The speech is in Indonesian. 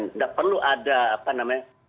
tidak perlu ada apa namanya